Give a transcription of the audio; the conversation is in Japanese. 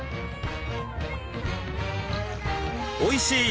おいしい！